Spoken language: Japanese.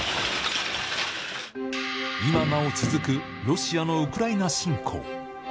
今なお続く、ロシアのウクライナ侵攻。